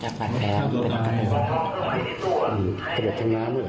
ขโดดทั้งน้ำเหรอ